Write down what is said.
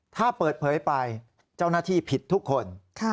ถ้าเปิดเผยไปเจ้าหน้าที่ผิดทุกคน